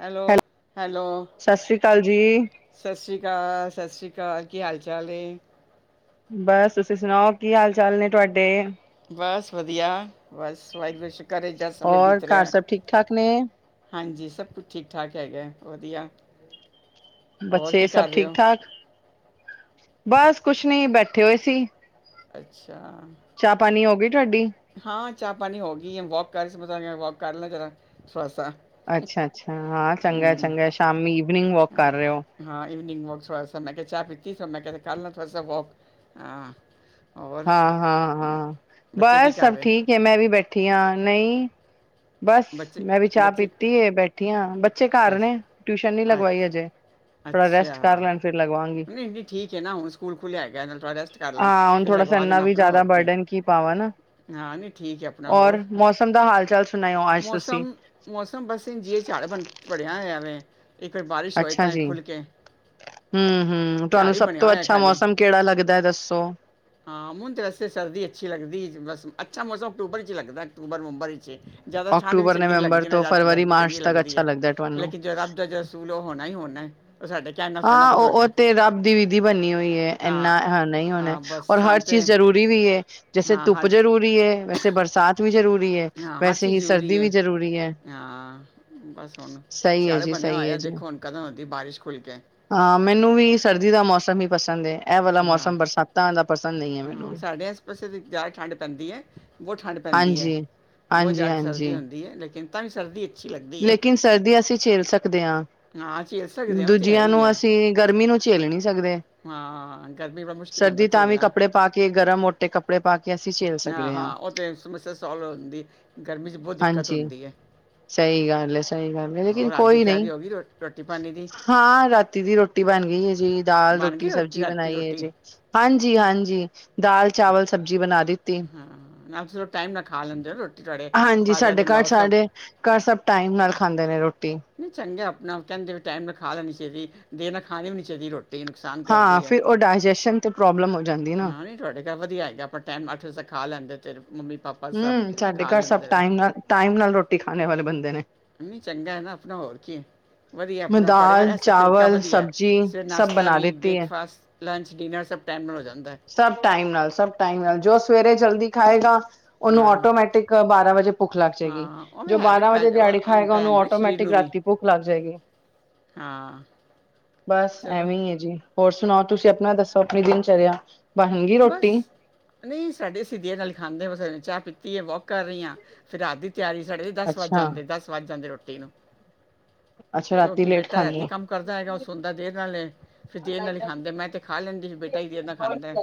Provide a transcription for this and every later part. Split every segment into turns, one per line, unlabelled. Hello hello
ਸਤਿ ਸ੍ਰੀ ਅਕਾਲ ਜੀ
ਸਤਿ ਸ਼੍ਰੀ ਅਕਾਲ ਸਤਿ ਸ਼੍ਰੀ ਅਕਾਲ ਕੀ ਹਾਲ ਚਾਲ ਏ
ਬਸ ਤੁਸੀਂ ਸੁਣਾਓ ਕੀ ਹਾਲ ਚਾਲ ਨੇ ਤੁਹਾਡੇ
ਬਸ ਵਧੀਆ ਬਸ ਵਾਹਿਗੁਰੂ ਦਾ ਸ਼ਕਰ ਏ, ਜਾਂ ਸਮੇਂ
ਔਰ
ਬੀਤ
ਘਰ
ਰਿਹਾ
ਸਭ ਠੀਕ ਠਾਕ ਨੇ
ਹਾਂਜੀ ਸਭ ਕੁਛ ਠੀਕ ਠਾਕ ਹੈਗਾ ਵਧੀਆ ਹੋਰ
ਬੱਚੇ
ਕੀ
ਸਭ
ਕਰ ਰਹੇ
ਠੀਕ
ਹੋ?
ਠਾਕ, ਬਸ ਕੁਛ ਨਈ ਬੈਠੇ ਹੋਏ ਸੀ
ਅੱਛਾ
ਚਾਹ ਪਾਣੀ ਹੋ ਗਈ ਤੁਹਾਡੀ
ਹਾਂ ਚਾਹ ਪਾਣੀ ਹੋ ਗਈ ਏ, ਵਾਕ ਕਰ ਸੀ, ਮੈਂ ਵਾਕ ਕਰ ਲਾਂ ਜ਼ਰਾ ਥੋੜਾ
ਅੱਛਾ, ਅੱਛਾ ਹਾਂ ਚੰਗਾ
ਹੂੰ
ਚੰਗਾ ਸ਼ਾਮੀ ਈਵਨਿੰਗ ਵਾਕ
ਹਾਂ।
ਕਰ ਰੇ ਓ
ਹਾਂ ਈਵਨਿੰਗ ਵਾਕ ਥੋੜਾ ਸਾ, ਮੇੈਂ ਕਿਹਾ ਚਾਹ ਪੀਤੀ ਸੋ ਮੈਂ ਕਿਹਾ ਕਰ ਲਾਂ ਥੋੜਾ ਸਾ ਵਾਕ ਹਾਂ ਹੋਰ
ਹਾਂ ਹਾਂ ਹਾਂ
ਬੱਚੇ ਕੀ
ਬਸ
ਕਰ
ਸਭ
ਰਹੇ
ਠੀਕ ਏ ਮੈਂ ਵੀ ਬੈਠੀ ਹਾਂ ਨਈ ਬਸ
ਬੱਚੇ
ਮੈਂ ਵੀ ਚਾਹ
ਬੱਚੇ
ਪੀਤੀ ਏ ਬੈਠ ਬੈਠੀ ਆਂ ਬੱਚੇ ਕੱਰ
ਅੱਛ
ਨੇ, ਟਿਊਸ਼ਨ ਨੀ ਲਗਵਾਈ
ਅੱਛ
ਹਜੇ
ਅੱਛਾ, ਨੀਂ-ਨੀਂ ਠੀਕ ਏ ਨਾ ਹੁਣ ਸਕੂਲ ਖੁੱਲ੍ਹਿਆ ਹੈਗੇ ਇਹ ਥੋੜ੍ਹਾ ਰੈਸਟ ਕਰ
ਹਾਂ ਹੁਣ
ਫਿਰ
ਥੋੜਾ ਸ
ਲਗਵਾ
ਇੰਨਾ
ਦੇਣਾ
ਵੀ
ਆਪਣਾ
ਜ਼ਿਆਦਾ
ਹੋਰ ਕੀ
ਬਰਡਨ ਪਾਵਾਂ ਨਾ
ਹਾਂ ਨੀ ਠੀਕ ਹੈ ਆਪਣਾ ਹੋਰ
ਬੰਦਾ ਹਾਲ-ਚਾਲ
ਮੌਸਮ-ਮੌਸਮ ਬਸ ਇੰਜਏ ਚਾੱੜ ਬਣ ਬਣਿਆ ਹੋਇਆ ਵੇ ਇੱਕ ਵਾਰ ਬਾਰਿਸ਼ ਹੋਏ
ਅੱਛਾ
ਤਾਂ ਹੀ
ਜੀ
ਖੁੱਲ ਕੇ
ਹੂੰ-ਹੂੰ,
ਝਾੜ
ਤੁਆਨੂੰ
ਹੀ
ਸਭ
ਬਣਿਆ
ਤੋਂ
ਹੋਇਆ
ਅੱਛਾ
ਖਾਲੀ
ਮੌਸਮ ਕਿਹੜਾ ਲੱਗਦਾ ਦੱਸੋ?
ਹਾਂ, ਹੂੰਣ ਤਾਂ ਵਸਤੇ ਸਰਦੀ ਅੱਛੀ ਲੱਦੀ ਬਸ ਅੱਛਾ ਮੌਸਮ ਅਕਤੂਬਰ ਚ ਲੱਗਦਾ ਅਕਤੂਬਰ, ਨਵੰਬਰ ਚ। ਜ਼ਿਆਦਾ ਠੰਡ ਵੀ
ਅਕਤੂਬਰ
ਚੰਗੀ ਨੀਂ
ਨਵੰਬਰ
ਲਗਦੀ ਨਾ
ਤੋਂ
ਜਿ਼ਆਦਾ
ਫਰਵਰੀ
ਗਰਮੀ
ਮਾਰਚ
ਚੰਗੀ
ਤੱਕ
ਲਗਦੀ
ਅੱਛਾ
ਹੈ
ਲੱਗਦਾ ਤੁਹਾਨੂੰ
ਲੇਕਿਨ ਜਦ ਰੱਬ ਦਾ ਅ ਸੂਲ ਉਹ ਹੋਣਾ ਹੀ ਹੋਣਾ ਉਹ ਸਾਡੇ ਕਹਿਣ ਨਾਲ ਸੋਹਣਾ
ਹਾਂ,
ਕੁਝ
ਉਹ-ਉਹ
ਹੋਣਾ ਹੈ।
ਤੇ ਰੱਬ ਦੀ ਵਿਧੀ ਬਣੀ ਹੋਈ ਏ
ਹਾਂ
ਇੰਨਾ ਨਈ ਹੋਣਾ
ਹਾਂ ਬਸ
ਔਰ ਹਰ
ਸਾਨੂੰ ਤੇ
ਚੀਜ਼ ਜ਼ਰੂਰੀ ਵੀ ਹੈ, ਜੈਸੇ
ਹਾਂ
ਧੁੱਪ
ਹਰ
ਜ਼ਰੂਰੀ ਹੈ ਵੈਸੇ ਬਰਸਾਤ ਵੀ ਜ਼ਰੂਰੀ ਹੈ
ਹਾਂ ਹਰ
ਵੈਸੇ
ਚੀਜ਼
ਹੀ
ਜ਼ਰੂਰੀ
ਸਰਦੀ
ਹੈ
ਵੀ ਜ਼ਰੂਰੀ ਏ।
ਹਾਂ
ਸਹੀ ਹੈ ਜੀ, ਸਹੀ ਹੈ ਜੀ।
ਕਦੋ ਹੂੰਦੀ ਬਾਰਿਸ਼ ਖੁੱਲ੍ਹ ਕੇ?
ਹਾਂ, ਮੈਨੂੰ ਵੀ ਸਰਦੀ ਦਾ ਮੌਸਮ ਈ ਪਸੰਦ ਏ ਇਹ ਵਾਲਾ
ਹਾਂ
ਮੌਸਮ ਬਰਸਾਤਾਂ ਦਾ ਪਸੰਦ ਨਈ ਏ ਮੈਨੂੰ ਵੀ।
ਵੈਸੇ ਤੇ ਜ਼ਿਆਦਾ ਠੰਡ ਪੈਂਦੀ ਹੈ, ਬਹੁਤ ਠੰਡ ਪੈਂਦੀ ਹੈ,
ਹਾਂਜੀ
ਬਹੁਤ ਜ਼ਿਆਦਾ ਸਰਦੀ
ਹਾਂਜੀ-ਹਾਂਜੀ
ਹੁੰਦੀ ਹੈ ਲੇਕਿਨ ਤਾਂ ਵੀ ਸਰਦੀ [unintelligible] ਹੈ
ਲੇਕਿਨ ਸਰਦੀ ਅਸੀਂ ਛੇਲ ਸਕਦੇ ਆ
ਹਾਂ ਝੇਲ ਸਕਦੇ ਹਾਂ ਉਹ ਤਾਂ ਹੈ
ਦੂਜਿਆਂ
ਹੀ
ਨੂੰ
ਹੈ
ਅਸੀਂ ਗਰਮੀ ਨੂੰ ਝੇਲ ਨੀ ਸਕਦੇ,
ਹਾਂ ਗਰਮੀ ਬੜਾ ਮੁਸ਼ਕਿਲ ਹੁੰਦਾ
ਸਰਦੀ ਤਾਂ ਵੀ
ਝੇਲਣਾ
ਕੱਪੜੇ ਪਾ ਕੇ ਗਰਮ, ਮੋਟੇ ਕੱਪੜੇ ਪਾ ਕੇ ਅਸੀਂ ਝੇਲ ਸਕਦੇ ਹਾਂ
ਹਾਂ-ਹਾਂ, ਉਹ ਤਾਂ ਸਮੱਸਿਆ ਸੋਲਵ ਹੁੰਦੀ ਗਰਮੀ ਬੋਹਤ ਦਿੱਕਤ ਹੁੰਦੀ ਏ।
ਸਈ ਗੱਲ ਏ, ਸਹੀ ਗੱਲ ਏ ਲੇਕਿਨ
ਰਾਤ ਦੀ
ਕੋਈ ਨੀ
ਤਿਆਰੀ ਹੋ ਗਈ ਰੋ- ਰੋਟੀ ਪਾਣੀ ਦੀ
ਹਾਂ, ਰਾਤੀ ਦੀ ਰੋਟੀ ਬਣ ਗਈ ਏ ਜੀ ਦਾਲ,
ਬਣ ਗਈ
ਰੋਟੀ, ਸਬਜ਼ੀ
ਰਾਤੀ
ਬਣਾਈ ਏ
ਰੋਟੀ
ਜੀ। ਹਾਂਜੀ-ਹਾਂਜੀ, ਦਾਲ, ਚਾਵਲ, ਸਬਜ਼ੀ ਬਣਾ ਦਿੱਤੀ।
ਹਾਂ, ਨਾਲ ਚਲ ਟਾਈਮ ਨਾਲ ਖਾ ਲੈਂਦੇ ਹੋ ਰੋਟੀ ਤੁਹਾਡੇ
ਹਾਂਜੀ
ਫਾਦਰ
ਸਾਡੇ ਘਰ
ਇਨਲੋ ਸਭ
ਸਾਡੇ ਘਰ ਸਭ ਟਾਈਮ ਨਾਲ ਖਾਂਦੇ ਨੇ ਰੋਟੀ।
ਨੀਂ ਚੰਗਾ ਆਪਣਾ ਕਹਿੰਦੇ ਟਾਈਮ ਨਾਲ ਖਾ ਲੈਣੀ ਚਾਹੀਦੀ ਦੇ ਨਾਲ ਖਾਣੀ ਵੀ ਨਹੀਂ ਚਾਹੀਦੀ ਰੋਟੀ ਨੁਕਸਾਨ
ਹਾਂ,
ਕਰਦੀ ਹੈ
ਫਿਰ ਉਹ ਡਾਇਜੈਸ਼ਨ ਤੇ ਪ੍ਰੋਬਲਮ ਹੋ ਜਾਂਦੀ ਨਾ।
ਹਾਂ ਨਹੀਂ ਤੁਹਾਡੇ ਘਰ ਵਧੀਆ ਹੈਗਾ ਆਪ ਟੈਮ ਅੱਠ ਵਜੇ ਤਕ ਖਾ ਲੈਂਦੇ ਤੇ
ਹੂੰ, ਸਾਡੇ ਘਰ ਸਭ ਟਾਈਮ ਨਾਲ ਟਾਈਮ ਨਾਲ ਰੋਟੀ ਖਾਣੇ ਵਾਲੇ ਬੰਦੇ ਨੇ।
ਚੰਗਾ ਏ ਨਾ ਆਪਣਾ ਹੋਰ ਕੀ ਵਧੀਆ
ਮੈਂ
ਆਪਣਾ ਤੁਹਾਡੇ ਘਰ
ਦਾਲ,
ਇਹ ਸਭ ਤਰੀਕਾ
ਚਾਵਲ,
ਵਧੀਆ ਏ।
ਸਬਜ਼ੀ
ਸਵੇਰੇ
ਸਭ
ਨਾਸ਼ਤਾ
ਬਣਾ
ਵੀ
ਦਿੱਤੀ ਹੈ।
ਬ੍ਰੇਕਫਾਸਟ, ਲੰਚ, ਡਿਨਰ ਸਭ ਟਾਈਮ ਨਾਲ ਹੋ ਜਾਂਦਾ।
ਸਭ ਟਾਈਮ ਨਾਲ, ਸਭ ਟਾਈਮ ਨਾਲ ਜੋ ਸਵੇਰੇ ਜਲਦੀ ਖਾਏਗਾ ਉਹਨੂੰ
ਹਾਂ
ਆਟੋਮੈਟਿਕ ਬਾਰਾਂ ਵਜੇ ਭੁੱਖ ਲੱਗ ਜਾਏਗੀ।
ਹਾਂ ਉਹ
ਜੋ
ਵੀ ਹੈਬਿਟ
ਬਾਰਾਂ
ਪੈ
ਵਜੇ
ਉਹ,
ਦਿਹਾੜੀ
ਅਮ,
ਖਾਏਗਾ
ਪੈ
ਉਹਨੂੰ
ਜਾਂਦੀ ਨਾ ਸਰੀਰ
ਆਟੋਮੈਟਿਕ
ਨੂੰ ਵੀ
ਰਾਤੀ ਪੁੱਖ ਲੱਗ ਜਾਏਗੀ।
ਹਾਂ।
ਬਸ
ਚਲੋ
ਐਵੇਂ ਈ ਹੈ ਜੀ ਹੋਰ ਸੁਣਾਓ ਤੁਸੀਂ ਆਪਣਾ ਦੱਸੋ ਆਪਣੀ ਦਿਨਚਰਿਆ?
ਬਸ ਨੀਂ ਸਾਡੇ ਸਧੀਆਂ ਨਾਲ ਖਾਂਦੇ ਨੇ ਚਾਹ ਪੀਤੀ ਹੈ ਵੋਕ ਕਰ ਰਈ ਆ। ਫਿਰ ਰਾਤ ਦੀ ਤਿਆਰੀ ਸੜੇ ਦਸ ਵੱਜ
ਅੱਛਾ
ਜਾਂਦੇ-ਦਸ ਵੱਜ ਜਾਂਦੇ ਰੋਟੀ ਨੂੰ।
ਅੱਛਾ ਰਾਤੀ
ਕਿਉਂਕਿ
ਲੇਟ
ਬੇਟਾ
ਖਾਂਦੇ
ਰਾਤੀ
ਹੋ
ਕੰਮ ਕਰਦਾ ਹੈਗਾ ਉਹ ਸੋਨਦਾ ਦੇਰ ਨਾਲ ਏ ਫਿਰ ਦੇ ਨਾਲ ਈ ਖਾਂਦਾ, ਮੈਂ ਤਾਂ ਖਾ ਲੈਂਦੀ ਬੇਟਾ ਹੀ ਦੇਰ ਨਾਲ ਖਾਂਦਾ।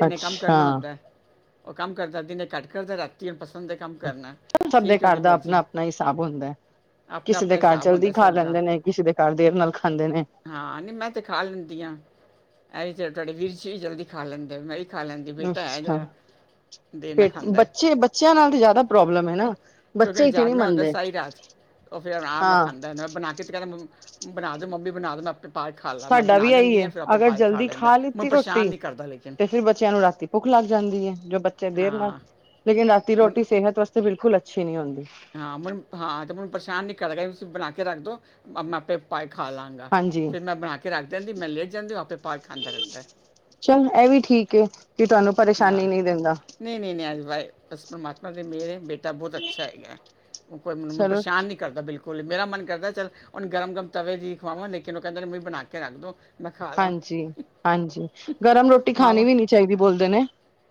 ਉਹਨੇ ਕੰਮ
ਅੱਛਾ
ਕਰਨਾ ਹੁੰਦਾ, ਉਹ ਕੰਮ ਕਰਦਾ ਦਿਨੇ ਘੱਟ ਕਰਦਾ ਰਾਤੀ ਉਹਨੂੰ ਪਸੰਦ ਹੈ ਕੰਮ ਕਰਨਾ
ਸਭ-ਸਭ ਦੇ
ਠੀਕ ਹੈ
ਘਰ
ਉਹਦੀ
ਦਾ
ਮਰਜ਼ੀ
ਆਪਣਾ-ਆਪਣਾ ਹਿਸਾਬ ਹੁੰਦਾ ਹੈ।
ਆਪਣਾ
ਕਿਸੇ
ਆਪਣਾ
ਦੇ ਘਰ
ਹਿਸਾਬ
ਜਲਦੀ
ਹੁੰਦਾ
ਖਾ
ਸਭ ਦਾ
ਲੈਂਦੇ ਨੇ, ਕਿਸੇ ਦੇ ਘਰ ਦੇਰ ਨਾਲ ਖਾਂਦੇ ਨੇ।
ਹਾਂ, ਨਹੀਂ ਮੈਂ ਤੇ ਖਾ ਲੈਂਦੀ ਹਾਂ ਇਹ ਵੀ ਤੇ ਤੁਹਾਡੇ ਵੀਰਜੀ ਵੀ ਜਲਦੀ ਖਾ ਲੈਂਦੇ ਮੈਂ ਵੀਫ ਖਾ ਲੈਂਦੀ ਬੇਟਾ ਹੈ
ਅੱਛਾ
ਜਰਾ ਦੇਣਾ
ਪੇਟ
ਖਾਂਦਾ ਹੈ।
ਬੱਚੇ ਬੱਚਿਆਂ ਨਾਲ ਤੇ ਜ਼ਿਆਦਾ ਪ੍ਰੋਬਲਮ ਹੈ ਨਾ
ਕਿਉਂਕਿ
ਬੱਚੇ ਇਥੇ ਨਹੀਂ
ਜਾਗਣਾ ਹੁੰਦਾ
ਮੰਨਦੇ
ਸਾਰੀ ਰਾਤ ਉਹ ਫੇਰ ਆਰਾਮ ਨਾਲ
ਹਾਂ
ਖਾਂਦਾ ਹੈ ਨਾ ਬਣਾ ਕੇ ਤੇ ਕਹਿੰਦਾ ਬਣਾ ਦੇ ਮੰਮੀ ਬਣਾ ਦੇ ਮੈਂ ਆਪ ਪਾ ਕੇ ਖਾ ਲਾ ਮੈਂ
ਸਾਡਾ
ਬਣਾ
ਵੀ ਇਹੀ
ਦਿੰਦੀ
ਹੈ
ਹ ਫਿਰ ਆਪੇ
ਅਗਰ
ਪਾਏ ਖਾ
ਜਲਦੀ
ਲੈਂਦਾ ਮੈਂ
ਲਿੱਤੀ
ਪਰੇਸ਼ਾਨ
ਰੋਟੀ
ਨਹੀਂ ਕਰਦਾ ਲੇਕਿਨ
ਤੇ ਫਿਰ ਬੱਚਿਆਂ ਨੂੰ ਰਾਤੀ ਭੁੱਖ ਲੱਗ ਜਾਂਦੀ ਹੈ ਜੋ ਬੱਚੇ ਦੇਰ ਨਾਲ
ਹਾਂ
ਲੇਕਿਨ ਰਾਤੀ
ਮਨ
ਰੋਟੀ ਸਿਹਤ ਵਾਸਤੇ ਬਿਲਕੁਲ ਅੱਛੀ ਨਹੀਂ ਹੁੰਦੀ
ਹਾਂ ਮੈਨੂੰ ਹਾਂ ਤੇ ਮੈਨੂੰ ਪਰੇਸ਼ਾਨ ਨੀ ਕਰੇਗਾ ਤੁਸੀਂ ਬਣਾ ਕੇ ਰੱਖ ਦਓ ਮੈਂ ਆਪੇ ਪਾਏ ਖਾ ਲਾਂਗਾ
ਹਾਂਜੀ
ਫਿਰ ਮੈਂ ਬਣਾ ਕੇ ਰੱਖ ਦਿੰਦੀ ਮੈਂ ਲੇਟ ਜਾਂਦੀ ਆਪੇ ਪਾ ਕੇ ਖਾਂਦਾ ਰਹਿੰਦਾ
ਚੱਲ ਇਹ ਵੀ ਠੀਕ ਏ ਕਿ ਤੁਹਾਨੂੰ
ਹਾਂ
ਪਰੇਸ਼ਾਨੀ ਨਹੀ ਦਿੰਦਾ
ਨਹੀਂ ਨਹੀਂ ਨਹੀਂ ਅੱਜ ਬਾਈ ਬਸ ਪਰਮਾਤਮਾ ਦੀ ਮਿਹਰ ਏ ਬੇਟਾ ਬਹੁਤ ਅੱਛਾ ਹੈਗਾ ਉਹ ਕੋਈ ਮੈਨੂੰ
ਚਲੋ
ਪਰੇਸ਼ਾਨ ਨੀ ਕਰਦਾ ਬਿਲਕੁਲ ਮੇਰਾ ਮਨ ਕਰਦਾ ਚੱਲ ਹੁਣ ਗਰਮ ਗਰਮ ਤਵੇ ਦੀ ਖਵਾਵਾਂ ਲੇਕਿਨ ਉਹ ਕਹਿੰਦੇ ਮੇਰੀ ਬਣਾ ਕੇ ਰੱਖ ਦੋ ਮੈਂ ਖਾ ਲਾਂ।
ਹਾਂਜੀ ਹਾਂਜੀ ਗਰਮ ਰੋਟੀ ਖਾਣੀ
ਮਾਵਾਂ
ਵੀ ਨਹੀਂ ਚਾਹੀਦੀ ਬੋਲਦੇ ਨੇ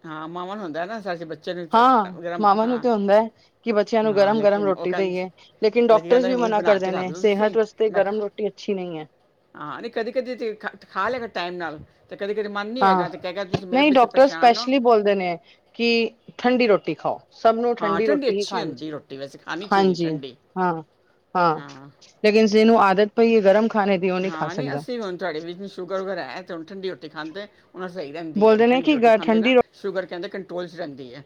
ਹਾਂ ਮਾਵਾਂ ਨੂੰ ਹੁੰਦਾ ਨਾ ਸਾਡੇ ਬੱਚੇ ਨੂੰ ਤ
ਹਾਂ
ਗਰਮ
ਮਾਵਾਂ ਨੂੰ
ਹਾਂ,
ਤੇ ਹੁੰਦਾ ਹੈ ਕਿ ਬੱਚਿਆਂ ਨੂੰ
ਹਾਂ
ਗਰਮ ਗਰਮ
ਲੇਕਿਨ ਉਹ
ਰੋਟੀ
ਕਹਿੰ
ਦੇਈਏ ਲੇਕਿਨ ਡਾਕਟਰਜ਼
ਕਹਿੰਦਾ
ਵੀ
ਨਹੀਂ ਮੰਮੀ
ਮਨਾ
ਬਣਾ ਕੇ
ਕਰਦੇ
ਰੱਖ
ਨੇ
ਦੋ ਤੁਸੀਂ
ਸਿਹਤ ਵਾਸਤੇ
ਮੈਂ ਖ
ਗਰਮ ਰੋਟੀ ਅੱਛੀ ਨਹੀਂ ਹੈ।
ਹਾਂ ਨਹੀਂ ਕਦੀ ਕਦੀ ਤੇ ਖਾ ਲਏਗਾ ਟਾਈਮ ਨਾਲ ਤੇ ਕਦੀ ਕਦੀ ਮਨ ਨਹੀਂ
ਹਾਂ
ਹੋਏਗਾ ਤੇ ਕਹੇਗਾ ਤੁਸੀਂ ਮੇਰੇ
ਨਹੀਂ
ਪਿੱਛੇ
ਡਾਕਟਰ
ਪਰੇਸ਼ਾਨ ਹੋ।
ਸਪੈਸ਼ਲੀ ਬੋਲਦੇ ਨੇ ਕਿ ਠੰਡੀ ਰੋਟੀ ਖਾਓ ਸਭ ਨੂੰ
ਹਾਂ
ਠੰਡੀ ਰੋਟੀ ਹੀ
ਅੱਛੀ
ਖਾਣੀ
ਹੁੰਦੀ ਰੋਟੀ ਵੈਸੇ ਖਾਣੀ
ਚਾਹੀਦੀ
ਚਾਹੀਦੀ
ਹਾਂਜੀ
ਠੰਡੀ।
ਹਾਂ ਹਾਂ ਲੇਕਿਨ ਜਿਹਨੂੰ ਆਦਤ ਪਈ ਹੈ। ਗਰਮ ਖਾਣੇ ਦੀ ਉਹ ਨਹੀਂ ਖਾ
ਹਾਂ
ਸਕਦਾ
ਅਸੀਂ ਹੁਣ ਤੁਹਾਡੇ ਵਿੱਚ ਸ਼ੂਗਰ ਵਗੈਰਾ ਹੈ। ਤੇ ਹੁਣ ਠੰਡੀ ਰੋਟੀ ਖਾਂਦੇ ਹੁਣ ਸਹੀ ਰਹਿੰਦੀ ਹੈ
ਬੋਲਦੇ ਨੇ
ਠੰਡੀ
ਕਿ ਗ
ਰੋਟੀ ਖਾਂਦੇ ਨਾ
ਠੰਡੀ ਰੋਟੀ
ਸ਼ੂਗਰ ਕਹਿੰਦੇ ਕੰਟਰੋਲ ਚ ਰਹਿੰਦੀ ਹੈ।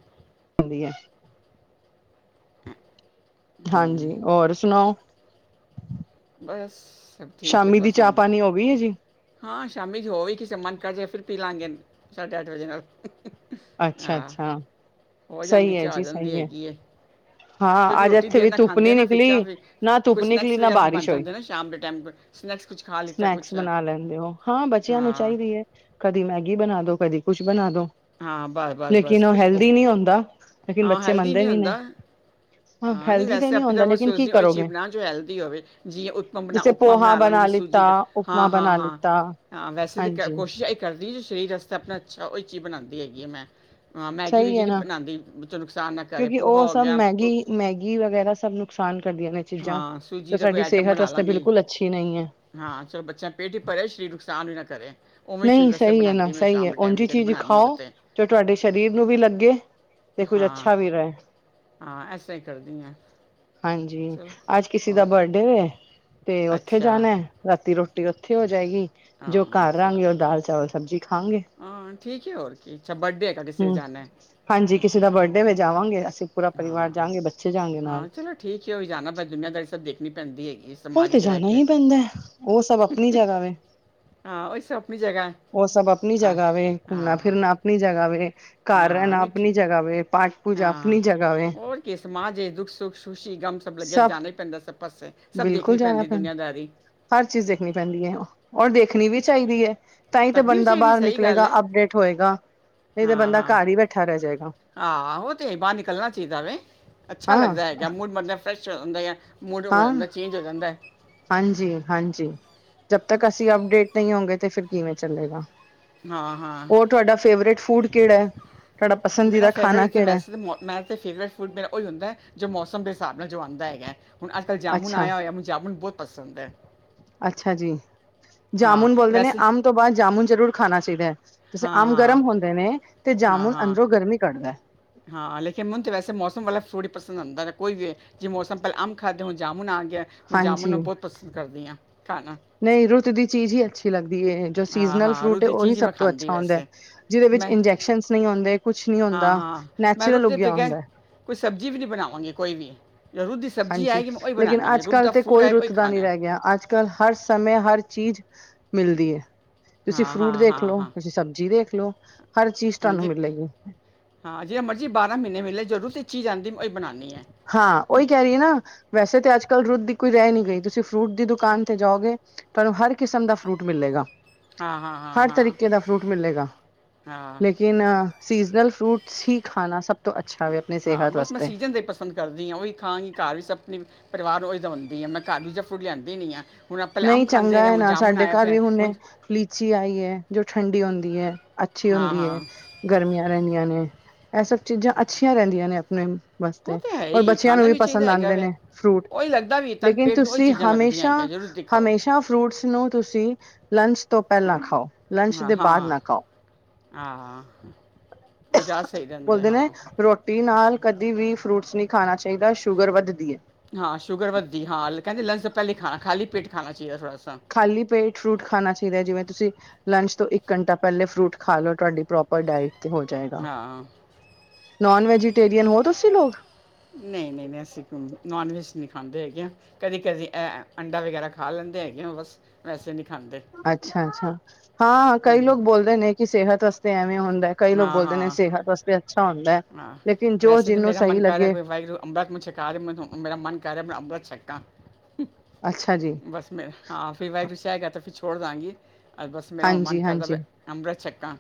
ਹੁੰਦੀ ਹੈ।
ਹ
ਹਾਂਜੀ ਹੋਰ ਸੁਣਾਓ
ਬਸ ਸਭ ਠੀਕ ਹੈ
ਸ਼ਾਮੀ ਦੀ
ਬਸ
ਚਾਹ
ਹੁਣ
ਪਾਣੀ ਹੋ ਗਈ ਹੈ ਜੀ
ਹਾਂ ਸ਼ਾਮੀ ਜੇ ਹੋਵੇ ਕਿਸੇ ਮਨ ਕਰ ਜੇ ਫਿਰ ਪੀ ਲਾਂਗੇ ਸਾਢੇ ਅੱਠ ਵਜੇ ਨਾਲ
ਅੱਛਾ
ਹਾਂ
ਅੱਛਾ
ਹੋ ਜਾਂਦੀ
ਸਹੀ ਹੈ
ਚਾਹ ਆ
ਜੀ
ਜਾਂਦੀ
ਸਹੀ ਹੈ
ਹੈਗੀ ਕਿਉਂਕਿ
ਹਾਂ ਅੱਜ
ਰੋਟੀ
ਇੱਥੇ
ਦੇਰ
ਵੀ
ਨਾਲ
ਧੁੱਪ
ਖਾਂਦੇ
ਨੀ
ਆ ਨਾ ਫਿਰ ਚਾਹ
ਨਿਕਲੀ
ਫਿਰ
ਨਾ ਧੁੱਪ
ਕੋਈ
ਨਿਕਲੀ
ਸਨੈਕਸ
ਨਾ
ਵਗੈਰਾ ਫਿਰ ਬਣ
ਬਾਰਿਸ਼
ਜਾਂਦੇ ਨਾ ਸ਼ਾਮ ਦੇ ਟਾਈਮ ਸਨੈਕਸ ਕੁਝ ਖਾ ਲਿੱਤਾ ਕੁਝ
ਸਨੈਕਸ ਬਣਾ ਲੈਂਦੇ ਹੋ ਹਾਂ ਬੱਚਿਆਂ ਨੂੰ
ਹਾਂ
ਚਾਹੀਦੀ ਹੈ ਕਦੀ ਮੈਗੀ ਬਣਾ ਦੋ ਕਦੀ ਕੁਛ ਬਣਾ ਦੋ।
ਹਾਂ ਬਸ ਬਸ ਬਸ
ਲੇਕਿਨ ਉਹ
ਪੁੁਛ ਲੋ
ਹੈਲਦੀ ਨਹੀਂ ਹੁੰਦਾ ਲੇਕਿਨ
ਹਾਂ
ਬੱਚੇ
ਹੈਲਦੀ
ਮੰਨਦੇ
ਨਹੀਂ
ਨੀ ਨੇ
ਹੁੰਦਾ ਹਾਂ ਨਹੀਂ
ਹੈਲਦੀ ਤੇ
ਵੈਸੇ ਆਪੇ ਤਾਂ
ਹੁੰਦਾ
ਮੈ
ਲੇਕਿਨ ਕੀ
ਸੋਚਦੀ ਹੋ ਉਹ ਇਹ ਚੀਜ਼
ਕਰੋਗੇ
ਬਣਾ ਜੋ ਹੈਲਦੀ ਹੋਵੇ ਜੀ ਉਤਪਮ ਬਣਾ
ਜਿਸੇ
ਉਪਮਾਂ
ਪੋਹਾ
ਬਣਾ ਲਾਂਗੀ ਸੂਜੀ
ਲਿੱਤਾ
ਦਾ
ਉਪਮਾ
ਹਾਂ ਹਾਂ
ਬਣਾ
ਹਾਂ
ਲਿੱਤਾ
ਹਾਂ ਵੈਸੇ ਤਾਂ
ਹਾਂਜੀ
ਕੋਸ਼ਿਸ਼ ਇੱਕ ਕਰਦੀ ਜੋ ਸਰੀਰ ਵਾਸਤੇ ਆਪਣਾ ਅੱਛਾ ਉਹ ਚੀਜ਼ ਬਣਾਉਦੀ ਹੈਗੀ ਮੈਂ ਹਾਂ ਮੈਗੀ
ਸਹੀ
ਵੈਗੀ
ਹੈ
ਨੀ
ਨਾ
ਬਣਾਉਂਦੀ ਬਈ ਚਲੋ ਨੁਕਸਾਨ ਦਾ ਘਰ ਏ
ਕਿਉਂਕਿ ਉਹ
ਪੋਹਾ ਹੋ
ਸਭ
ਗਿਆ
ਮੈਗੀ ਮੈਗੀ ਵਗੈਰਾ ਸਭ ਨੁਕਸਾਨ ਕਰਦੀਆਂ ਨੇ ਚੀਜ਼ਾਂ
ਹਾਂ
ਤੇ
ਸੂਜੀ ਦਾ ਕੋਈ
ਸਾਡੀ
ਆਈਟਮ
ਸਿਹਤ
ਬਣਾ
ਵਾਸਤੇ
ਲਾਂਗੀ
ਬਿਲਕੁਲ ਅੱਛੀ ਨਹੀਂ ਹੈ।
ਹਾਂ ਚਲੋ ਬੱਚਿਆਂ ਪੇਟ ਹੀ ਭਰੇ ਸ਼ਰੀਰ ਨੂੰ ਨੁਕਸਾਨ ਵੀ ਨਾ ਕਰੇ ਉਵੇਂ ਹੀ ਚੀਜ਼
ਨਹੀਂ
ਵੈਸੇ
ਸਹੀ ਹੈ ਨਾ
ਬਣਾਉਂਦੀ ਮੈਂ
ਸਹੀ ਹੈ
ਸ਼ਾਮ ਦੇ ਟਾਈਮ
ਉਂਝ
ਵੀ
ਈ
ਕਦੇ
ਚੀਜ਼
ਬਣਾਉਣੀ ਹੋਵੇ
ਖਾਓ
ਤੇ
ਜੋ ਤੁਹਾਡੇ ਸਰੀਰ ਨੂੰ ਵੀ ਲੱਗੇ ਤੇ ਕੁੱਝ
ਹਾਂ
ਅੱਛਾ ਵੀ ਰਹੇ
ਹਾਂ ਐਸਾ ਤਰਾਂ ਹੀ ਕਰਦੀ ਆ
ਹਾਂਜੀ ਅੱਜ ਕਿਸੇ ਦਾ ਬਰਡੇ ਵੇ ਤੇ ਉੱਥੇ
ਅੱਛਾ
ਜਾਣਾ ਰਾਤੀ ਰੋਟੀ ਉੱਥੇ ਹੋ ਜਾਏਗੀ ਜੋ
ਹਾਂ
ਘਰ ਰਹਾਂਗੇ ਉਹ ਦਾਲ ਚਾਵਲ ਸਬਜ਼ੀ ਖਾਂਗੇ।
ਹਾਂ ਠੀਕ ਹੈ ਹੋਰ ਕੀ ਅੱਛਾ ਬਰਡੇ ਹੈਗਾ ਕਿਸੇ ਦੇ
ਹੂੰ
ਜਾਨਾ
ਹਾਂਜੀ ਕਿਸੇ ਦਾ ਬਰਡੇ ਵੇ ਜਾਵਾਂਗੇ ਅਸੀਂ ਪੂਰਾ ਪਰਿਵਾਰ
ਹਾਂ
ਜਾਵਾਂਗੇ ਬੱਚੇ ਜਾਵਗੇ ਨਾਲ
ਹਾਂ ਚਲੋ ਠੀਕ ਹੈ ਉਹੀ ਜਾਣਾ ਬਸ ਦੁਨੀਆਂਦਾਰੀ ਸਭ ਦੇਖਣੀ ਪੈਂਦੀ ਹੈਗੀ ਇਸ
ਉਹ ਤੇ ਜਾਣਾ ਹੀ ਪੈਂਦਾ ਐ ਉਹ ਸਭ ਆਪਣੀ ਜਗ੍ਹਾ ਵੇ
ਹਾਂ ਉਹ ਸਭ ਆਪਣੀ ਜਗ੍ਹਾ ਹੈ
ਉਹ ਸਭ ਆਪਣੀ
ਆ
ਜਗ੍ਹਾ ਵੇ ਘੁੰਮਣਾ
ਹਾਂ
ਫਿਰਨਾ ਆਪਣੀ ਜਗਾ ਵੇ ਘਰ
ਹਾਂ
ਰਹਿਣਾ
ਨਹੀਂ
ਆਪਣੀ
ਠੀਕ ਹੈ।
ਜਗਾ ਵੇ ਪ
ਹਾਂ ਹੋਰ ਕਿ ਸਮਾਜ ਦੇ ਦੁੱਖ ਸੁੱਖ ਸੁੁਸ਼ੀ ਗਮ ਸਭ ਲੱਗਿਆ ਜਾਣਾ ਹੀ ਪੈਂਦਾ ਸਬ ਪਾਸੇ ਸਭ ਦੇਖਣੀ
ਬਿਲਕੁਲ ਜਾਣਾ
ਪੈਂਦੀ
ਪੈਂਦਾ
ਦੁਨੀਆਂਦਾਰੀ
ਹਰ ਚੀਜ਼ ਦੇਖਣੀ ਪੈਂਦੀ ਐ ਔਰ ਦੇਖਣੀ ਵੀ ਚਾਹੀਦੀ ਐ ਤਾਂ ਹੀ ਤੇ
ਤੱਕਣੀ ਵੀ
ਬੰਦਾ
ਚਾਹੀਦੀ
ਬਾਹਰ
ਸਹੀ ਗੱਲ
ਨਿਕਲੇਗਾ
ਹੈ
ਅਪਡੇਟ ਹੋਏਗਾ ਨਹੀਂ ਤਾਂ ਬੰਦਾ ਘਰ ਹੀ ਬੈਠਾ ਰਹਿ ਜਾਏਗਾ
ਹਾ ਉਹ ਤੇ ਹੈ ਬਾਹਰ ਨਿਕਲਣਾ ਚਾਹੀਦਾ ਵ ਅੱਛਾ
ਹਾਂ
ਲੱਗਦਾ ਹੈਗਾ ਮੂਡ ਮਾੜਾ ਜਾ ਫਰੈਸ਼ ਹੁੰਦਾ ਆ [unintelligible] ਮੂਡ ਹੋ
ਹਾਂ
ਜਾਂਦਾ ਚੇਂਜ ਹੋ ਜਾਂਦਾ ਐ
ਹਾਂਜੀ ਹਾਂਜੀ ਜਦ ਤੱਕ ਅਸੀਂ ਅਪਡੇਟ ਨਹੀਂ ਹੋਗੇ ਤੇ ਫਿਰ ਕਿਵੇਂ ਚੱਲੇਗਾ
ਹਾਂ ਹਾਂ
ਹੋਰ ਤੁਹਾਡਾ ਫੇਵਰੇਟ ਫੂਡ ਕਿਹੜਾ ਐ ਤੁਹਾਡਾ
ਮੇਰਾ
ਪਸੰਦੀਦਾ ਖਾਣਾ
ਫੇਵਰੇਟ ਤੇ
ਕਿਹੜਾ ਐ
ਵੈਸੇ ਮੈਂ [unintelligible] ਤੇ ਫੇਵਰੇਟ ਫੂਡ ਮੇਰਾ ਉਹੀ ਹੁੰਦਾ ਐ ਜੋ ਮੌਸਮ ਦੇ ਹਿਸਾਬ ਨਾਲ ਜੋ ਆਉਂਦਾ ਹੈਗਾ ਹੁਣ ਅੱਜ ਕੱਲ ਜਾਮੁਣ
ਅੱਛਾ
ਆਇਆ ਹੋਇਆ ਮਨੂੰ [unintelligible] ਜਾਮੁਣ ਬਹੁਤ ਪਸੰਦ ਐ
ਅੱਛਾ ਜੀ
ਹਾਂ
ਜਾਮੁਨ ਬੋਲਦੇ ਨੇ
ਵੈਸੇ
ਅਮ ਤੋਂ ਬਾਅਦ ਜਾਮੁਨ ਜ਼ਰੂਰ ਖਾਣਾ ਚਾਹੀਦੈ ਸੈ
ਹਾਂ
ਅਮ
ਹਾਂ
ਗਰਮ ਹੁੰਦੇ ਨੇ ਤੇ
ਹਾਂ
ਜਾਮੁਨ
ਹਾਂ
ਅੰਦਰੋਂ ਗਰਮੀ ਕੱਢਦਾ ਐ
ਹਾਂ ਲੇਕਿਨ ਮਨ ਤਾਂ ਵੈਸੇ ਮੌਸਮ ਵਾਲਾ ਫਰੂਟ ਹੀ ਪਸੰਦ ਆਂਦਾ ਕੋਈ ਵੀ ਹੋਏ ਜੇ ਮੌਸਮ ਪਹਿਲਾਂ ਅੰਮ ਖਾਦੇ ਹੁਣ ਜਾਮੁਣ ਆ ਗਿਆ ਮੈਂ ਜਾਮੁਨ
ਹਾਂਜੀ
ਨੂੰ ਬਹੁਤ ਪਸੰਦ ਕਰਦੀ ਆਂ ਖਾਣਾ
ਨਹੀਂ ਰੁੱਤ ਦੀ ਚੀਜ਼ ਹੀ ਅੱਛੀ ਲੱਗਦੀ ਏ ਜੋ ਸੀਜਨ
ਹਾਂ
ਨਾਲ
ਹਾਂ ਰੂਹ
ਫਰੂਟ
ਦੀ
ਉਹੀ
ਚੀਜ਼ ਹੀ
ਸਭ
ਮੈਂ
ਤੋਂ
ਖਾਂਦੀ
ਅੱਛਾ ਹੁੰਦਾ ਐ
ਵੈਸੇ
ਜਿਹਦੇ ਵਿੱਚ
ਮੈਂ
ਇੰਜੈਕਸ਼ਨ ਨਹੀਂ ਹੁੰਦੇ ਕੁਛ ਨ
ਹਾਂ
ਹੁੰਦਾ
ਹਾਂ ਮੈਂ ਰੂਹ
ਨੈਚੁਰਲ
ਦੇ
ਉੱਗਿਆ
ਬਗੈਰ
ਹੁੰਦੈ
ਕੋਈ ਸਬਜ਼ੀ ਵੀ ਨਹੀਂ ਬਣਾਵਾਂਗੇ ਕੋਈ ਵੀ ਜਾਂ ਰੁੱਤ ਦੀ ਸਬਜ਼ੀ
ਹਾਂਜੀ
ਆਏਗੀ ਮੈਂ ਉਹੀ ਬਣਾਣੀ ਏ ਰੁੱਤ ਦਾ ਫਰੂਟ ਆਏਗਾ ਉਹੀ ਖਾਣਾ
ਗਿਆੱਜ [unintelligible] ਕ ਹਰ ਸਮੇਂ ਹਰ ਚੀਜ਼ ਮਿਲਦੀ ਐ ਤੁਸੀਂ
ਹਾਂ
ਫਰੂਟ
ਹਾਂ
ਦੇਖ
ਹਾਂ
ਲੋ
ਹਾਂ
ਤੁਸੀਂ ਸਬਜ਼ੀ ਦੇਖ ਲਓ ਹਰ ਚੀਜ਼ ਤੁਹਾਨੂੰ
ਹਾਂਜੀ
ਮਿਲੇਗੀ
ਹਾਂ ਜਿਵੇਂ ਮਰਜ਼ੀ ਬਾਰਾਂ ਮਹੀਨੇ ਮਿਲੇ ਜਰੂਰ [unintelligible] ਤਾਂਹੀ ਚੀਜ਼ ਆਂ ਮੈ ਉਹ ਇਹ ਬਣਾਨੀ ਐ
ਹਾਂ ਉਹੀ ਕਹਿ ਰਹੀ ਐ ਨਾ ਵੈਸੇ ਤਾਂ ਅੱਜ ਕੱਲ੍ਹ ਰੁੱਦ ਦੀ ਕੋਈ ਰਹਿ ਨੀ ਗਈ ਤੁਸੀਂ ਫਰੂਟ ਦੀ ਦੁਕਾਨ ਤੇ ਜਾਓਗੇ ਤੁਹਾਨੂੰ ਹਰ ਕਿਸਮ ਦਾ ਫਰੂਟ ਮਿਲੇਗਾ
ਹਾਂ ਹਾਂ ਹਾਂ
ਹਰ
ਹਾਂ
ਤਰੀਕੇ ਦਾ ਫਰੂਟ ਮਿਲੇਗਾ
ਹਾਂ
ਲੇਕਿਨ ਅ ਸੀਜਨਲ ਫਰੂਟਸ ਹੀ ਖਾਣਾ ਸਭ ਤੋਂ ਅੱਛਾ ਵੇ ਆਪਣੀ ਸਿਹਤ ਵਾਸਤੇ
ਸੰਦ ਕਰਦੀ ਹਾਂ ਉਹੀ ਖਾਂਗੀ ਘਰ ਵੀ ਆਪਣੇ ਪਰਿਵਾਰ ਹੋ ਦਾਉਂਦੀ ਆ ਘਰ ਵੀ ਦੂਜਾ ਫਰੂਟ ਲਿਆਂਦੀ ਨਹੀਂ ਆ ਹੁਣ ਪਹਿਲੇ ਆਮ
ਨਹੀਂ
ਖਾਂਦੇ
ਚੰਗਾ
ਰਹੇ
ਹੈ
ਹੁਣ
ਨਾ
ਜਾਮੁਣ
ਸਾਡੇ
ਆਇਆ
ਘਰ
ਪਿਆ
ਵੀ
ਹੁਣ
ਹੁਣੇ ਲੀਚੀ ਆਈ ਐ ਜੋ ਠੰਡੀ ਹੁੰਦੀ ਹੈ ਅੱਛੀ
ਹਾਂ
ਹੁੰਦੀ ਐ
ਹਾਂ
ਗਰਮੀਆਂ ਰਹਿੰਦੀਆਂ ਨੇ ਐਹ ਸਭ ਚੀਜ਼ਾਂ ਅੱਛੀਆਂ ਰਹਿੰਦੀਆਂ ਨੇ ਆਪਣੇ
ਉਹ
ਵਾਸਤੇ
ਤਾਂ ਹੈ
ਔਰ
ਹੀ ਐ
ਬੱਚਿਆਂ ਨੂੰ
ਖਾਣਾ ਵੀ ਚਾਹੀਦਾ
ਪਸੰਦ
ਹੈਗਾ
ਆਉਂਦੇ
ਵੈ
ਨੇ ਫਰੂਟ
ਉਹੀ ਲੱਗਦਾ ਵੀ ਤਨ
ਲੇਕਿਨ
ਪੇਟ ਨੂੰ ਉਹੀ ਚੀਜ਼ਾਂ ਲੱਗਦੀਆਂ ਹੈਗੀਆਂ ਜ ਦਿਖਾਓ
ਛਾ ਫਰੂਟਸ ਨੂੰ ਤੁਸੀਂ ਲੰਚ ਤੋਂ ਪਹਿਲਾਂ ਖਾਓ ਲੰਚ
ਹਾਂ
ਦੇ ਬਾਅਦ
ਹਾਂ
ਨਾ ਖਾਓ
ਹਾਂ ਉਹ ਜਾਦ ਸਹੀ ਰਹਿੰਦੇ
ਬੋਲਦੇ ਨੇ
ਹਾਂ
ਰੋਟੀ ਨਾਲ ਕਦੇ ਵੀ ਫਰੂਟਸ ਨਹੀਂ ਖਾਣਾ ਚਾਹੀਦਾ ਸ਼ੂਗਰ ਵੱਧਦੀ ਐ
ਹਾਂ ਸ਼ੂਗਰ ਵੱਧਦੀ ਹਾਂ ਕਹਿੰਦੇ ਲੰਚ ਤੋਂ ਪਹਿਲੇ ਖਾਣਾ ਖਾਲੀ ਪੇਟ ਖਾਣਾ ਚਾਹੀਦਾ ਥੋੜਾ ਸਾ
ਖਾਲੀ ਪੇਟ ਫਰੂਟ ਖਾਣਾ ਚਾਹੀਦਾ ਜਿਵੇਂ ਤੁਸੀਂ ਲੰਚ ਤੋਂ ਇੱਕ ਘੰਟਾ ਪਹਿਲੇ ਫਰੂਟ ਖਾ ਲਓ ਤੁਹਾਡੀ ਪ੍ਰੋਪਰ ਡਾਇਟ ਤੇ ਹੋ ਜਾਏਗਾ
ਹਾਂ
ਨੋਨ ਵੈਜੀਟੇਰੀਅਨ ਹੋ ਤੁਸੀਂ ਲੋਕ
ਨਹੀਂ ਨਹੀਂ ਨਹੀਂ ਅਸੀਂ [unintelligible] ਨੋਨ ਵੈਜ ਨਹੀਂ ਖਾਂਦੇ ਹੈਗੇ ਹਾਂ ਕਦੀ ਕਦੀ ਐ ਅੰਡਾ ਵਗੈਰਾ ਖਾ ਲੈਂਦੇ ਹੈਗੇ ਬਸ ਵੈਸੇ ਨਹੀਂ ਖਾਂਦੇ
ਅੱਛਾ ਅੱਛਾ ਹਾਂ ਕਈ
ਹਮ,
ਲੋਕ ਬੋਲਦੇ ਨੇ ਕਿ ਸਿਹਤ ਵਾਸਤੇ ਐਵੇਂ ਹੁੰਦਾ ਕਈ ਲੋਕ
ਹਾਂ
ਬੋਲਦੇ ਨੇ
ਹਾਂ
ਸਿਹਤ ਵਾਸਤੇ ਵੀ ਅੱਛਾ ਹੁੰਦਾ ਐ
ਹਾਂ ਵੈਸੇ ਤਾਂ ਮੇਰਾ ਮਨ ਕਰ ਰਿਹਾ ਕੋਈ ਵਾਹਿਗੁਰੂ ਅੰਮ੍ਰਿਤ ਮੁ ਛਕਾ ਰਹੇ ਮੈ ਮੇਰਾ ਮਨ ਕਰਹਿ ਰਿਹਾ ਮੈਂ ਅੰਮ੍ਰਿਤ ਛੱਕਾਂ
ਅੱਛਾ ਜੀ
ਬਸ ਮੈਂ ਹਾਂ ਫਿਰ ਵ [unintelligible] ਤਾਂ ਫਿਰ ਛੋੜ ਦਵਾਂਗੀ ਬਸ ਮੇਰਾ ਮਨ
ਹਾਂਜੀ
ਕਰਦਾ ਵ
ਹਾਂਜੀ
ਅੰਮ੍ਰਿਤ ਛੱਕਾ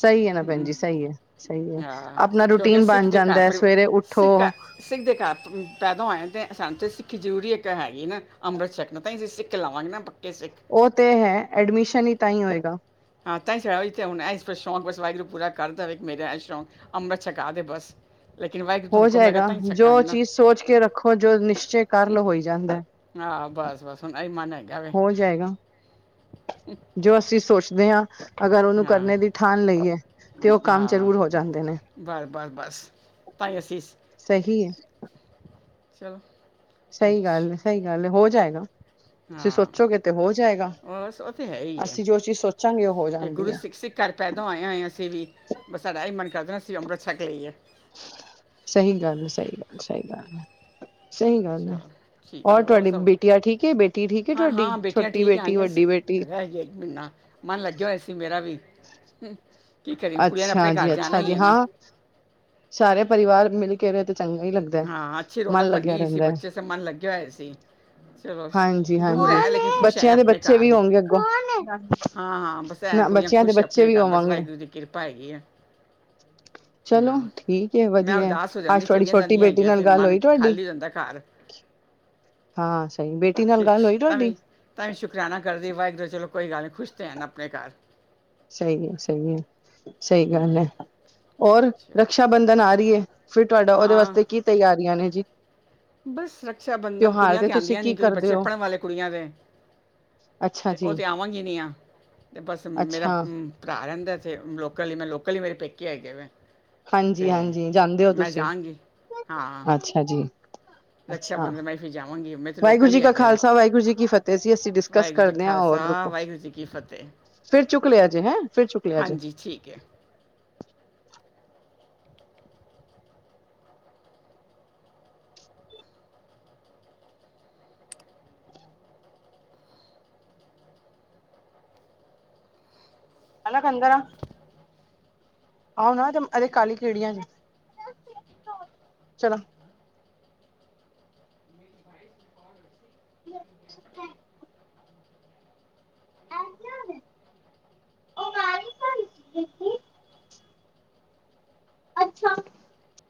ਸਹੀ ਹੈ ਨਾ ਭੈਣ ਜੀ ਸਹੀ ਹੈ ਸਹੀ ਹੈ
ਹਾਂ
ਆਪਣਾ
ਕਿਉਂਕਿ
ਰੂਟੀਨ
ਸਿੱਖ [unintelligible]
ਬਣ ਜਾਂਦਾ ਹੈ ਸਵੇਰੇ ਉੱਠੋ
ਸਿੱਖ ਸਿੱਖ ਦੇ ਘਰ ਪੈਦਾ ਹੋਏਆ ਤੇ ਸਾਨੂੰ ਤਾਂ ਸਿੱਖ ਜ਼ਰੂਰੀ ਇੱਕ ਹੈਗੀ ਨਾ ਅੰਮ੍ਰਿਤਸਰ ਨੂੰ ਤਾਂ ਅਸੀਂ ਸਿੱਖ ਲਾਵਾਂਗੇ ਨਾ ਕੇ ਸਿੱਖ
ਉਹ ਤੇ ਹੈ ਐਡਮਿਸ਼ਨ ਈ ਤਾਂ ਈ ਹੋਏਗਾ
ਹਾਂ ਤਾਂ [unintelligible] ਤਾਂ ਹੁਣਾ ਐ ਇਸ ਬਸ ਸ਼ੌਕ ਬਸ ਵਾਹਿਗੁਰੂ ਪੁਰਾ ਕਰ ਦੇਵੇ ਇੱਕ ਮੇਰਾ ਸ਼ੌਕ ਅੰਮ੍ਰਤ ਛਕਾ ਦੇ ਬਸ ਲੇਕਿਨ ਵਾਹਿਗੁਰੂ ਤੋਂ
ਹੋ
ਹੁਕਮ ਹੈਗਾ
ਜਾਏਗਾ
ਤਾਂ ਹੀ
ਜੋ
ਛਕਾਂਗੇ ਨਾ
ਚੀਜ਼ ਸੋਚ ਕੇ ਰੱਖੋ ਜੋ ਨਿਸ਼ਚੇ ਕਰ ਲ ਹੋਈ ਜਾਂਦਾ
ਹਾਂ ਬਸ ਬਸ ਹੁਣ ਇਹਈ ਮੰਨੇ
ਹੋ ਜਾਏਗਾ ਜੋ ਅਸੀਂ ਸੋਚਦੇ ਹਾਂ ਅਗਰ ਉਹਨੂੰ
ਹਾਂ
ਕਰਨੇ ਦੀ ਠਾਣ ਲਈ ਏ
ਹਾਂ ਬਸ ਬਸ ਬਸ ਤਾਈ ਅਸੀ
ਸਹੀ
ਚਲੋ
ਸਹੀ ਗੱਲ ਏ
ਅੱਛਾ
ਸਹੀ ਗੱਲ ਏ ਹੋ ਜਾਏਗਾ ਤੁਸੀਂ
ਹਾਂ
ਸੋਚੋਗੇ ਤੇ ਹੋ ਜਾਏਗਾ
ਬਸ ਉਹ ਤੇ ਹੈ ਹੀ ਹੈ
ਅਸੀਂ ਜੋ ਚੀਜ਼ ਸੋਚਾਂਗੇ ਉਹ ਹੋ
ਕਿ
ਜਾਂਦੀ
ਗੁਰੂ
ਏ
ਸਿੱਖ ਸਿੱਖ ਘਰ ਪੈਦਾ ਹੋਏ ਆਂ ਅਸੀਂ ਵੀ ਬਸ ਸਾਡਾ ਵੀ ਮਨ ਕਰਦਾ ਅਸੀਂ ਅੰਮ੍ਰਿਤ ਛੱਕ ਲਈਏ
ਸਹੀ ਗੱਲ ਸਹੀ ਗੱਲ ਸਹੀ ਗੱਲ ਏ ਸਹੀ ਗੱਲ ਏ
ਚਲੋ ਠੀਕ ਹੈ
ਹੋਰ ਤੁਹਾਡੀ
ਸਭ
ਬਿਟੀਆ ਠੀਕ ਐ ਬੇਟੀ ਠੀਕ ਐ
ਹਾਂ
ਤੁਹਾਡੀ
ਹਾਂ ਬੇਟੀਆਂ
ਛੋਟੀ
ਠੀਕ
ਬੇਟੀ
ਆਈਆਂ
ਵੱਡੀ
ਸੀ
ਬੇਟੀ
ਰਹਿ ਜੇ ਇੱਕ ਮਹੀਨਾ ਮਨ ਲੱਗਿਆ ਹੋਇਆ ਸੀ ਮੇਰਾ ਵੀ ਕੀ ਕਰਿਓ ਕੁੜੀਆਂ ਨੇ ਆਪਣੇ
ਅੱਛਾ
ਘਰ
ਜੀ
ਜਾਣਾ
ਅੱਛਾ
ਈ
ਜੀ
ਏ ਨਾ
ਹਾਂ ਸਾਰੇ ਪਰਿਵਾਰ ਮਿਲ ਕੇ ਰ ਤੇ ਚੰਗਾ ਹੀ ਲੱਗਦਾ ਹੈ
ਹਾਂ ਅੱਛੀ ਰੌਣਕ
ਮਨ
ਬਣਨੀ
ਲੱਗਿਆ
ਹੋਈ ਸੀ
ਰਹਿੰਦਾ ਹੈ
ਬੱਚੇ ਸ ਮਨ ਲੱਗਿਆ ਹੋਇਆ ਸੀ ਚਲੋ
ਹਾਂਜੀ
ਦੂਰ ਐ ਲੇਕਿਨ
ਹਾਂਜੀ
ਖੁਸ਼ ਐ
ਬੱਚਿਆਂ ਦੇ
ਆਪਣੇ
ਬੱਚੇ ਵੀ
ਘਰ
ਹੋਣਗੇ ਅੱਗੋਂ
ਹਾਂ ਹਾਂ ਬਸ ਐਂ
ਨਾ
ਕੁੜੀਆਂ
ਬੱਚਿਆਂ ਦੇ
ਖੁਸ਼
ਬੱਚੇ
ਆਪਣੇ
ਵੀ
ਘਰ ਬਸ
ਹੋਵਾਂਗੇ
ਵਾਹਿਗੁਰੂ ਦੀ ਕਿਰਪਾ ਹੈਗੀ ਐ
ਚਲੋ ਠੀਕ ਐ
ਮੈਂ
ਵਧੀਆ
ਉਦਾਸ ਹੋ
ਅੱਜ
ਜਾਂਦੀ
ਥੋਡੀ
ਚਲੀਆਂ
ਛੋਟੀ ਟੀ
ਜਾਂਦੀਆਂ
ਬੇਟੀ
ਹੈਗੀਆਂ
ਨਾਲ
ਫਿਰ
ਗੱਲ
ਮਨ
ਹੋਈ ਤੁਹਾਡੀ
ਖਾਲੀ ਹੋ ਜਾਂਦਾ ਘਰ
ਹਾਂ ਸਹੀ ਬੇਟੀ ਨਾਲ
ਫਿਰ
ਗੱਲ ਹੋਈ
ਤਾਂ
ਤੁਹਾਡੀ
ਵੀ ਤਾਂ ਵੀਂ ਸ਼ੁਕਰਾਨਾ ਕਰਦੀ ਵਾਹਿਗ ਚਲੋ ਜੀ ਗੱਲ ਨਹੀਂ ਖੁਸ਼ ਤਾਂ ਹਨ ਆਪਣੇ ਘਰ
ਸਹੀ ਏ ਸਹੀ ਏ ਸਹੀ ਗੱਲ ਐ
ਹਮ,
ਹੋਰ
ਚਲੋ
ਰਕਸ਼ਾ ਬੰਧਨ
ਹਾਂ,
ਆ ਰਿਹਾ ਹੈ ਫਿਰ ਤੁਹਾਡਾ ਉਹਦੇ
ਹਾਂ
ਵਾਸਤੇ ਕੀ ਤਿਆਰੀਆਂ ਨੇ ਜੀ
ਬਸ ਰਕਸ਼ਾ ਬੰਧਨ
ਤਿਉਹਾਰ
ਕੁੜੀਆਂ ਤੇ
ਤੁਸੀਂ
ਆਉਂਦੀਆਂ
ਕੀ
ਨਹੀਂ ਕਿਉਂਕਿ
ਕਰਦੇ
ਬੱਚੇ
ਹੋ
ਪੜ੍ਹਨ ਵਾਲੇ ਕੁੜੀਆਂ ਦੇ
ਅੱਛਾ ਜੀ
[unintelligible] ਅਤੇ ਬਸ ਮੇਰਾ
ਅੱਛਾ
ਭਰਾ ਰਹਿੰਦਾ ਇਥੇ ਲੋਕਲੀ ਮੈਂ ਲੋਕਲ ਈ ਮੇਰੇ ਪੇਕੇ ਹੈਗੇ ਨੇ ਮੈਂ
ਹਾਂਜੀ ਹਾਂਜੀ ਜਾਂਦੇ ਓ ਤੁਸੀਂ
ਜਾਵਾਂਗੀ ਹਾਂ
ਅੱਛਾ ਜੀ
ਰਕਸ਼ਾ
ਅੱਛਾ
ਬੰਧਨ ਮੈਂ ਫਿਰ ਜਾਵਾਂਗੀ ਮੈਂ ਤੇ
ਵਾਹਿਗੁਰੂ
ਲੋਕਲ ਹੀ
ਜੀ ਕਾ
ਹੈਗੇ ਵੇ
ਖਾਲਸਾ ਵਾਹਿਗੁਰੂ ਜੀ ਕੀ ਫ਼ਤਿਹ ਸੀ ਅਸੀਂ ਡਿਸਕਸ
ਵਾਹਿਗੁਰੂ ਜੀ ਕਾ
ਕਰਦੇ ਹਾਂ ਹੋਰ
ਖਾਲਸਾ
ਰੁਕੋ
[inaudible]
ਫਿਰ ਚੁੱਕ ਲਿਆ ਜੇ ਹੈ ਫਿਰ ਚੁੱਕ ਲਿਆ ਜੇ
ਹਾਂਜੀ ਠੀਕ ਐ
ਹੈਨਾ ਕੰ‌ ਗਰਮ ਆਓ ਨਾ ਤੇ ਅਰੇ ਕਾਹਲੀ ਕੀੜੀਆਂ ਜ ਚਲੋ ਅੱਛਾ।